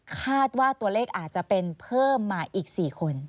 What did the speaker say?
คาดว่าตัวเลขอาจจะเป็นเพิ่มมาอีก๔คน